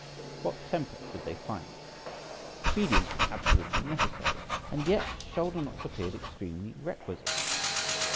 What temper should they find? Obedience was absolutely necessary, and yet shoulder knots appeared extremely requisite.